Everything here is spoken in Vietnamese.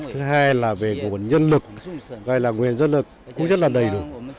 thứ hai là về nguồn nhân lực gọi là nguyện dân lực cũng rất là đầy đủ